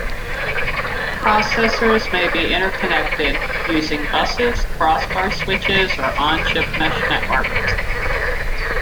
Processors may be interconnected using buses, crossbar switches or on-chip mesh networks.